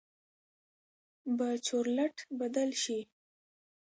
به چورلټ بدل شي.